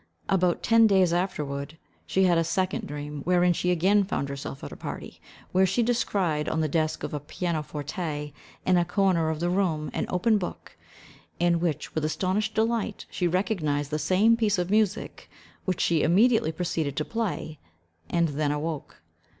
About ten days afterward, she had a second dream, wherein she again found herself at a party, where she descried on the desk of a pianoforte, in a corner of the room, an open book, in which, with astonished delight, she recognised the same piece of music, which she immediately proceeded to play, and then awoke.